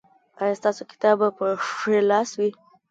ایا ستاسو کتاب به په ښي لاس وي؟